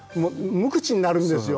無口になるんですよ。